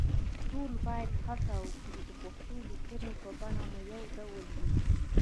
ټول باید هڅه وکړو چې د پښتو لیکنې بڼه مو يو ډول وي